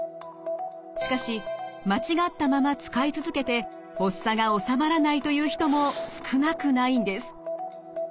しかし間違ったまま使い続けて発作が治まらないという人も少なくないんです。